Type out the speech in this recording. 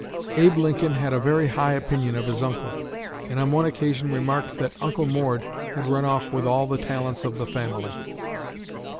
Abe Lincoln had a very high opinion of his uncle, and on one occasion remarked that Uncle Mord had run off with all the talents of the family."